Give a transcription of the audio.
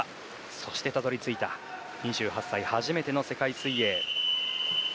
そして、たどり着いた２８歳、初めての世界水泳。